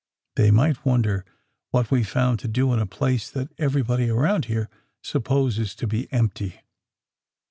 They might wonder what we found to do in a place that everybody around here supposes to be empty.